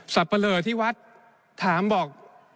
ปะเลอที่วัดถามบอก